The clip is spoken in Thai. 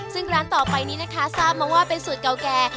ซึ่งร้านต่อไปนี้นะคะทราบมาว่าเป็นสูตรเก่าแก่